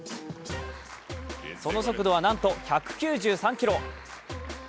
その速度は、なんと１９３キロ。